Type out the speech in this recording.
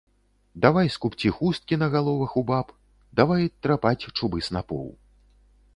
Давай скубці хусткі на галовах у баб, давай трапаць чубы снапоў.